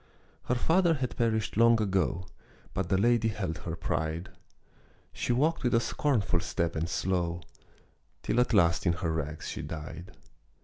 Her father had perished long ago, But the lady held her pride. She walked with a scornful step and slow, Till at last in her rags she died.